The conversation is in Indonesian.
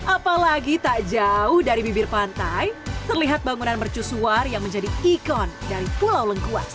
apalagi tak jauh dari bibir pantai terlihat bangunan mercusuar yang menjadi ikon dari pulau lengkuas